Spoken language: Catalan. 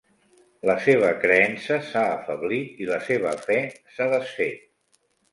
La seva creença s'ha afeblit i la seva fe s'ha desfet.